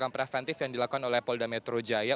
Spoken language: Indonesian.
preventif yang dilakukan oleh polda metro jaya